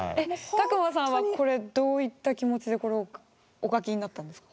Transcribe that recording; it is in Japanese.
卓馬さんはこれどういった気持ちでこれをお書きになったんですか？